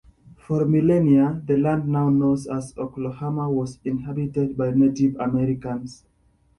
For millennia, the land now known as Oklahoma was inhabited by Native Americans.